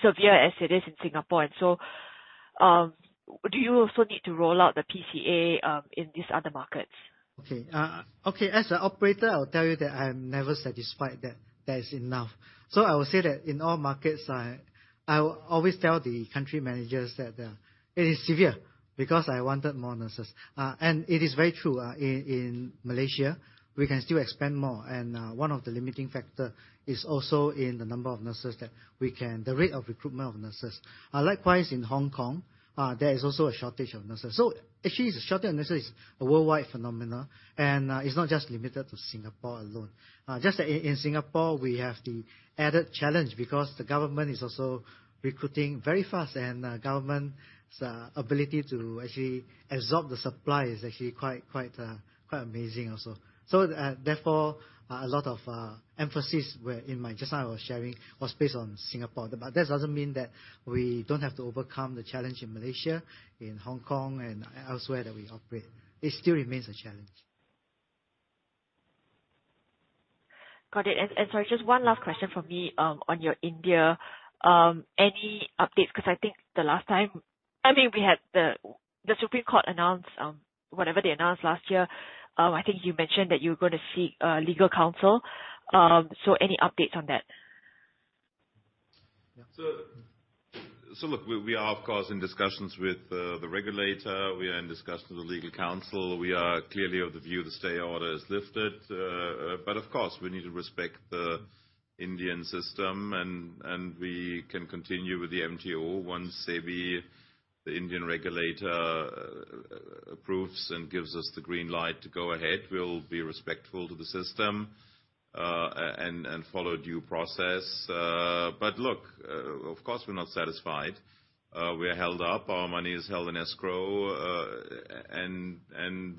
severe as it is in Singapore? Do you also need to roll out the PCA in these other markets?
Okay. Okay, as an operator, I'll tell you that I am never satisfied that that is enough. I will say that in all markets, I will always tell the country managers that it is severe because I wanted more nurses. It is very true. In Malaysia, we can still expand more and one of the limiting factor is also in the number of nurses that we can the rate of recruitment of nurses. Likewise in Hong Kong, there is also a shortage of nurses. Actually, the shortage of nurses is a worldwide phenomena and it's not just limited to Singapore alone. Just that in Singapore we have the added challenge because the government is also recruiting very fast and government's ability to actually absorb the supply is actually quite amazing also. Therefore, a lot of emphasis where in my just now I was sharing was based on Singapore. That doesn't mean that we don't have to overcome the challenge in Malaysia, in Hong Kong and elsewhere that we operate. It still remains a challenge.
Got it. Sorry, just one last question from me, on your India. Any updates? I mean, we had the Supreme Court announce, whatever they announced last year. I think you mentioned that you were gonna seek, legal counsel. Any updates on that?
Look, we are of course in discussions with the regulator. We are in discussions with legal counsel. We are clearly of the view the stay order is lifted. Of course we need to respect the Indian system and we can continue with the MTO once SEBI, the Indian regulator, approves and gives us the green light to go ahead. We'll be respectful to the system and follow due process. Look, of course we're not satisfied. We are held up. Our money is held in escrow.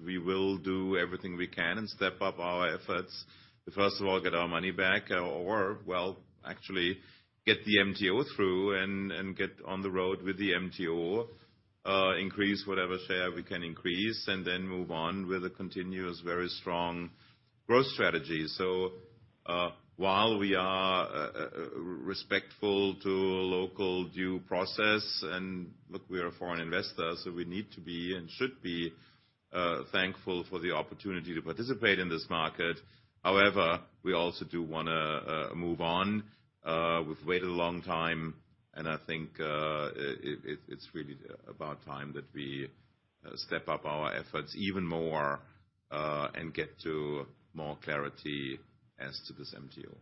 We will do everything we can and step up our efforts to first of all, get our money back or, well, actually get the MTO through and get on the road with the MTO. Increase whatever share we can increase and then move on with a continuous, very strong growth strategy. While we are respectful to local due process, and look, we are a foreign investor, so we need to be and should be thankful for the opportunity to participate in this market. We also do wanna move on. We've waited a long time and I think it's really about time that we step up our efforts even more and get to more clarity as to this MTO.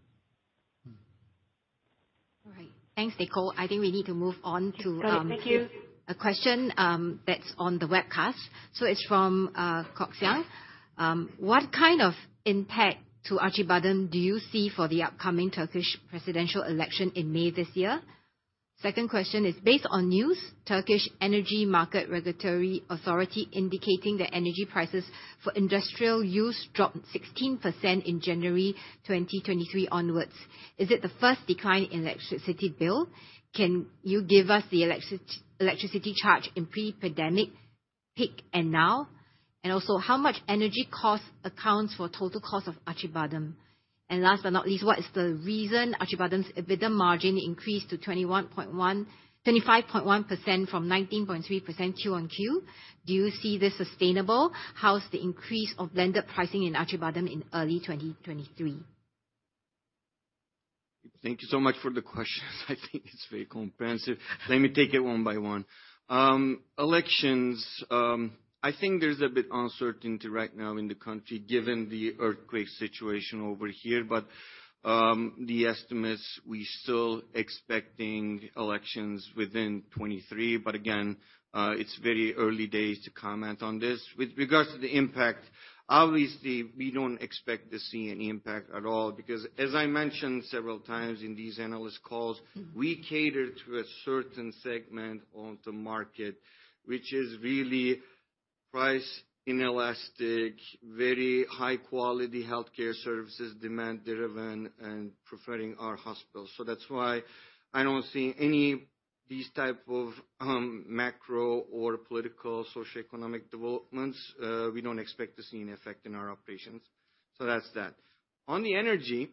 All right. Thanks, Nicole. I think we need to move on to.
Thank you.
A question that's on the webcast. It's from Kok Xiang. What kind of impact to Acibadem do you see for the upcoming Turkish presidential election in May this year? Second question is, based on news, Turkish Energy Market Regulatory Authority indicating that energy prices for industrial use dropped 16% in January 2023 onwards. Is it the first decline in electricity bill? Can you give us the electricity charge in pre-pandemic peak and now? Also how much energy cost accounts for total cost of Acibadem? Last but not least, what is the reason Acibadem's EBITDA margin increased to 21.1%. 25.1% from 19.3% Q on Q? Do you see this sustainable? How's the increase of blended pricing in Acibadem in early 2023?
Thank you so much for the question. I think it's very comprehensive. Let me take it one by one. Elections, I think there's a bit uncertainty right now in the country given the earthquake situation over here. The estimates, we're still expecting elections within 2023. Again, it's very early days to comment on this. With regards to the impact, obviously we don't expect to see any impact at all because as I mentioned several times in these analyst calls, we cater to a certain segment of the market which is really price inelastic, very high quality healthcare services, demand-driven and preferring our hospitals. That's why I don't see any these type of macro or political socio-economic developments. We don't expect to see an effect in our operations. That's that. On the energy,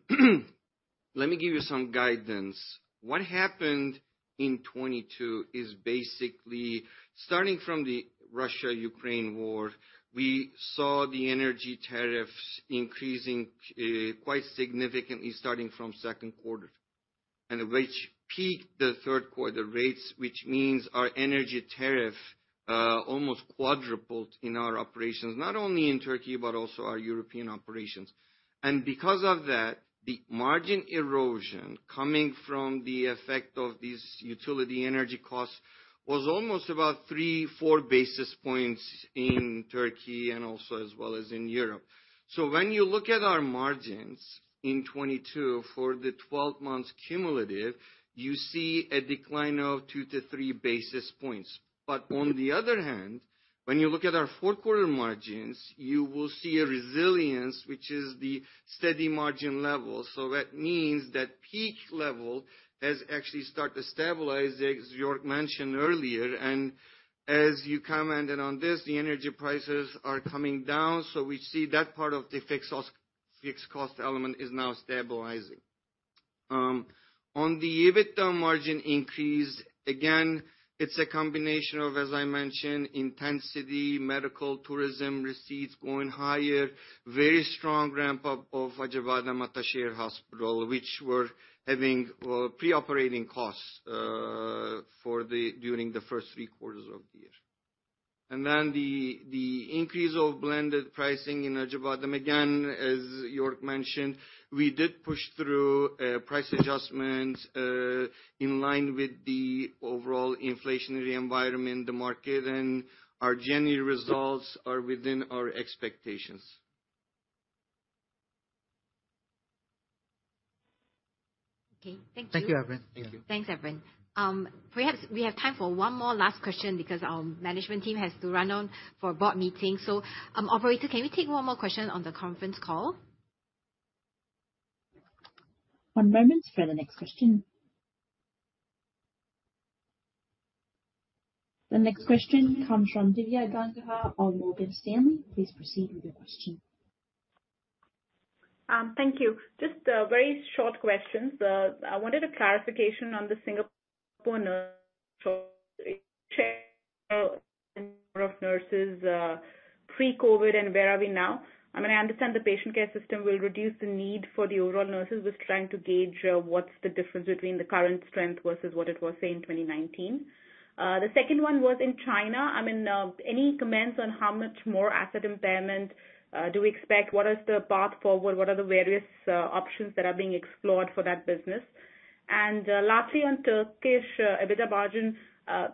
let me give you some guidance. What happened in 2022 is basically starting from the Russo-Ukrainian War, we saw the energy tariffs increasing quite significantly starting from Q2, and which peaked the Q3 rates, which means our energy tariff almost quadrupled in our operations. Not only in Turkey, but also our European operations. Because of that, the margin erosion coming from the effect of these utility energy costs was almost about 3 to 4 basis points in Turkey and also as well as in Europe. When you look at our margins in 2022 for the 12 months cumulative, you see a decline of 2 to 3 basis points. On the other hand, when you look at our Q4 margins, you will see a resilience which is the steady margin level. That means that peak level has actually started to stabilize, as Joerg mentioned earlier. As you commented on this, the energy prices are coming down. We see that part of the fixed cost element is now stabilizing. On the EBITDA margin increase, again, it's a combination of, as I mentioned, intensity, medical tourism receipts going higher, very strong ramp up of Acıbadem Ataşehir Hospital, which were having pre-operating costs during the first three quarters of the year. Then the increase of blended pricing in Acıbadem. Again, as Joerg mentioned, we did push through price adjustments in line with the overall inflationary environment in the market. Our January results are within our expectations.
Okay. Thank you.
Thank you, Evren. Thank you.
Thanks, Evren. Perhaps we have time for one more last question because our management team has to run on for a board meeting. Operator, can we take one more question on the conference call?
One moment for the next question. The next question comes from Divya Gangahar on Morgan Stanley. Please proceed with your question.
Thank you. Just a very short question. I wanted a clarification on the Singapore nurse of nurses, pre-COVID, where are we now? I mean, I understand the patient care system will reduce the need for the overall nurses. Was trying to gauge what's the difference between the current strength versus what it was, say, in 2019. The second one was in China. I mean, any comments on how much more asset impairment do we expect? What is the path forward? What are the various options that are being explored for that business? Lastly, on Turkish EBITDA margin,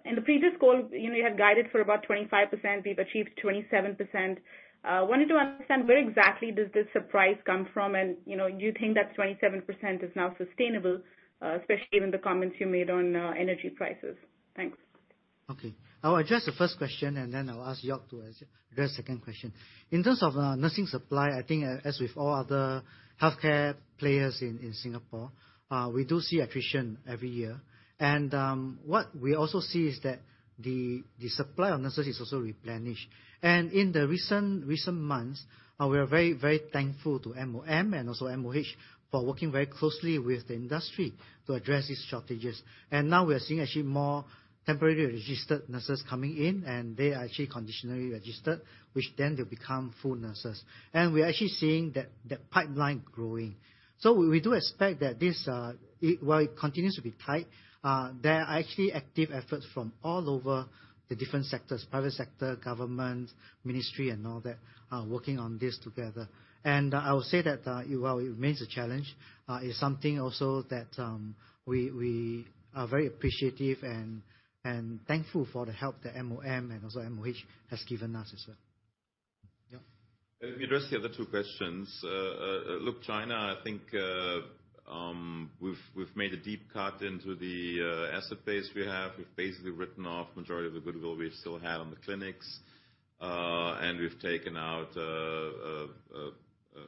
in the previous call, you know, you had guided for about 25%, we've achieved 27%. Wanted to understand where exactly does this surprise come from? you know, do you think that 27% is now sustainable, especially given the comments you made on, energy prices? Thanks.
Okay. I'll address the first question, then I'll ask Joerg to answer the second question. In terms of nursing supply, I think as with all other healthcare players in Singapore, we do see attrition every year. What we also see is that the supply of nurses is also replenished. In the recent months, we are very, very thankful to MOM and also MOH for working very closely with the industry to address these shortages. Now we are seeing actually more temporarily registered nurses coming in, and they are actually conditionally registered, which then they become full nurses. We are actually seeing that pipeline growing. So we do expect that this, it will continue to be tight. There are actually active efforts from all over the different sectors, private sector, government, ministry and all that, working on this together. I will say that, while it remains a challenge, it's something also that, we are very appreciative and thankful for the help that MOM and also MOH has given us as well. Joerg?
Let me address the other two questions. Look, China, I think, we've made a deep cut into the asset base we have. We've basically written off majority of the goodwill we still had on the clinics. We've taken out a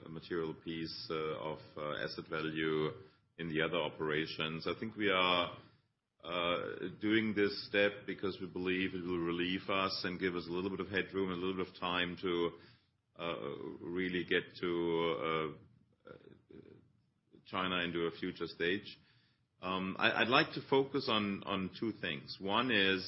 material piece of asset value in the other operations. I think we are doing this step because we believe it will relieve us and give us a little bit of headroom, a little bit of time to really get to China into a future stage. I'd like to focus on two things. One is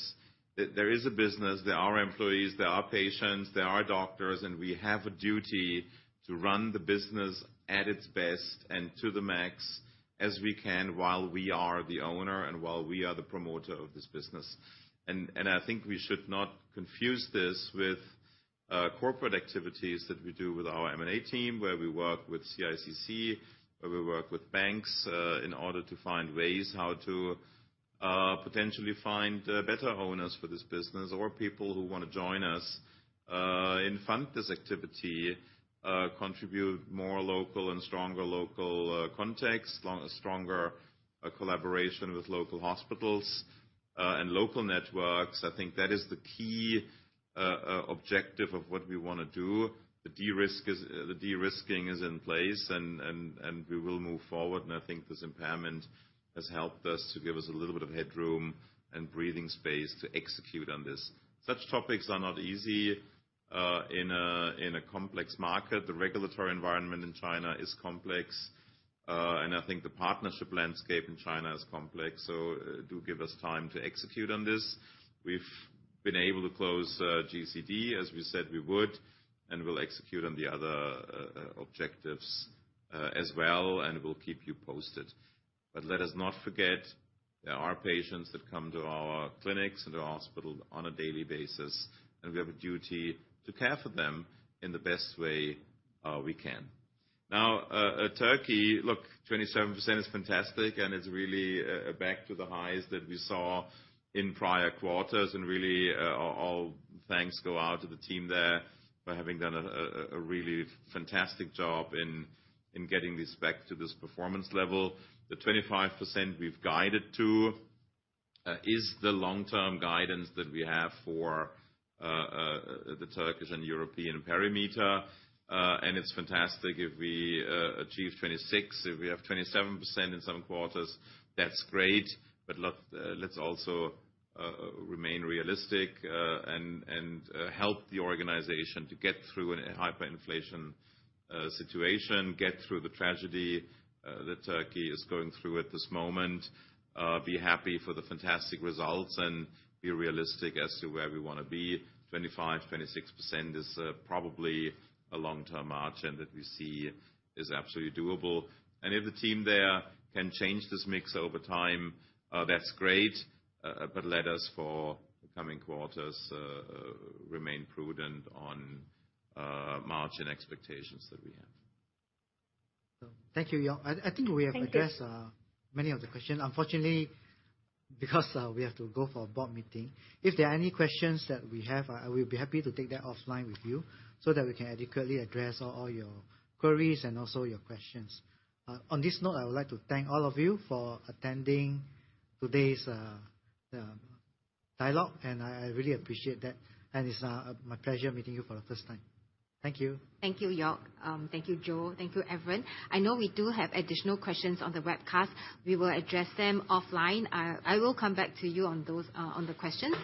that there is a business. There are employees, there are patients, there are doctors. We have a duty to run the business at its best and to the max as we can while we are the owner and while we are the promoter of this business. I think we should not confuse this with corporate activities that we do with our M&A team, where we work with CICC, where we work with banks, in order to find ways how to potentially find better owners for this business or people who wanna join us and fund this activity, contribute more local and stronger local context, stronger collaboration with local hospitals and local networks. I think that is the key objective of what we wanna do. The de-risking is in place and we will move forward. I think this impairment has helped us to give us a little bit of headroom and breathing space to execute on this. Such topics are not easy in a complex market. The regulatory environment in China is complex. I think the partnership landscape in China is complex. Do give us time to execute on this. We've been able to close GCD as we said we would, and we'll execute on the other objectives as well, and we'll keep you posted. Let us not forget, there are patients that come to our clinics and our hospital on a daily basis, and we have a duty to care for them in the best way we can. Now, Turkey, look, 27% is fantastic, and it's really back to the highs that we saw in prior quarters. Really, all thanks go out to the team there for having done a really fantastic job in getting this back to this performance level. The 25% we've guided to is the long-term guidance that we have for the Turkish and European perimeter. It's fantastic if we achieve 26%. If we have 27% in some quarters, that's great. Let's also remain realistic and help the organization to get through a hyperinflation situation. Get through the tragedy that Turkey is going through at this moment. Be happy for the fantastic results and be realistic as to where we wanna be. 25%, 26% is probably a long-term margin that we see is absolutely doable. If the team there can change this mix over time, that's great. Let us, for the coming quarters, remain prudent on margin expectations that we have.
Thank you, Joerg. I think we have.
Thank you.
many of the questions. Unfortunately, because we have to go for a board meeting. If there are any questions that we have, we'll be happy to take that offline with you so that we can adequately address all your queries and also your questions. On this note, I would like to thank all of you for attending today's dialogue, and I really appreciate that. It's my pleasure meeting you for the first time. Thank you.
Thank you, Joerg. Thank you, Joe. Thank you, Evren. I know we do have additional questions on the webcast. We will address them offline. I will come back to you on those on the questions.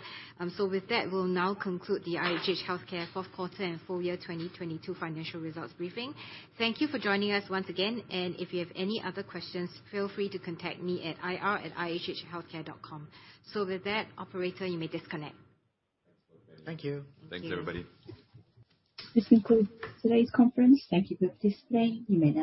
With that, we'll now conclude the IHH Healthcare Q4 and full year 2022 financial results briefing. Thank you for joining us once again. If you have any other questions, feel free to contact me at ir@ihhhealthcare.com. With that, operator, you may disconnect.
Thank you.
Thanks, everybody.
This concludes today's Conference. Thank you for participating. You may now disconnect.